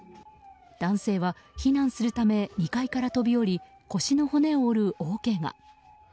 男性は避難するため２階から飛び降り腰の骨を折る大けが。